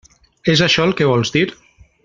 És això el que vols dir?